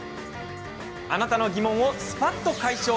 あなたの疑問をすぱっと解消。